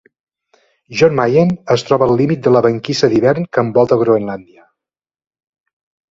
Jan Mayen es troba al límit de la banquisa d'hivern que envolta Groenlàndia.